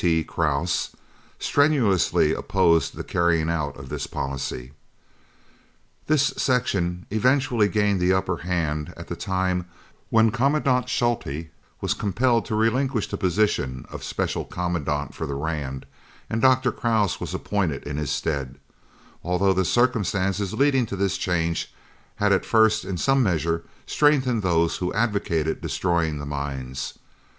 T. Krause, strenuously opposed the carrying out of this policy. This section eventually gained the upper hand at the time when Commandant Schutte was compelled to relinquish the position of Special Commandant for the Rand, and Dr. Krause was appointed in his stead, although the circumstances leading to this change had at first in some measure strengthened those who advocated destroying the mines.